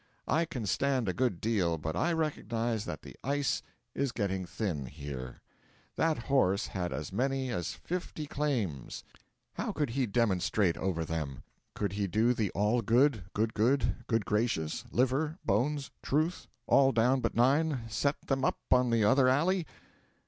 I can stand a good deal, but I recognise that the ice is getting thin here. That horse had as many as fifty claims: how could he demonstrate over them? Could he do the All Good, Good Good, Good Gracious, Liver, Bones, Truth, All down but Nine, Set them up on the Other Alley?